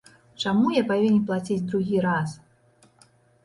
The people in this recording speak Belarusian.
Чаму я павінен плаціць другі раз?